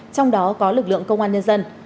trong đó có lực lượng công an nhân dân